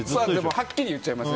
はっきり言っちゃいます。